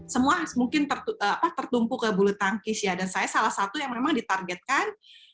semua mungkin tertumpu ke bulu tangkis ya dan saya salah satu yang memang ditargetkan